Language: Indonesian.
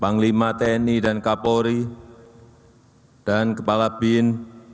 panglima tni dan kapolri dan kepala bin